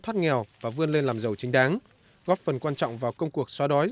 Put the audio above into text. thoát nghèo và vươn lên làm giàu chính đáng góp phần quan trọng vào công cuộc xóa đói